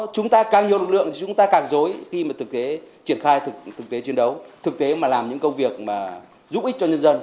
chúng ta càng nhiều lực lượng thì chúng ta càng dối khi mà thực tế triển khai thực tế chiến đấu thực tế mà làm những công việc mà giúp ích cho nhân dân